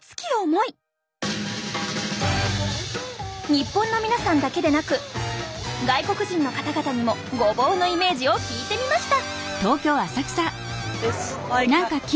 日本の皆さんだけでなく外国人の方々にもごぼうのイメージを聞いてみました。